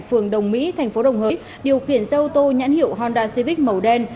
phường đồng mỹ tp đồng hới điều khiển xe ô tô nhãn hiệu honda civic màu đen